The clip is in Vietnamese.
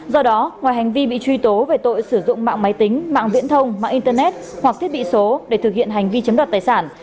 do đó ngoài hành vi bị truy tố về tội sử dụng mạng máy tính mạng viễn thông mạng internet hoặc thiết bị số để thực hiện hành vi chiếm đoạt tài sản